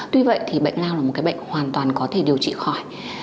tuy vậy thì bệnh lao là một cái bệnh hoàn toàn có thể điều trị khỏi